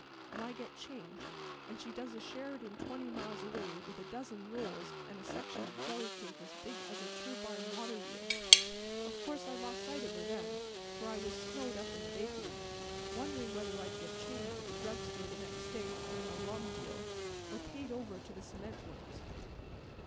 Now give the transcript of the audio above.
And I get changed, and she does a Sheridan twenty miles away with a dozen rolls and a section of jelly cake as big as a turbine water wheel. Of course I lost sight of her then, for I was snowed up in the bakery, wondering whether I'd get changed at the drug store the next day in an alum deal or paid over to the cement works.